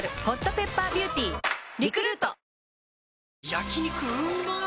焼肉うまっ